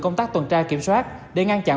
công tác tuần tra kiểm soát để ngăn chặn